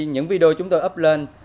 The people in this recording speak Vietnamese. những video chúng tôi up lên